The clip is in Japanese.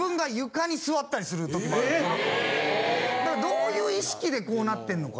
どういう意識でこうなってんのか。